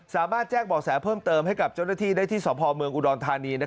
สามารถแจ้งบ่อแสเพิ่มเติมให้กับเจ้าหน้าที่ได้ที่สพเมืองอุดรธานี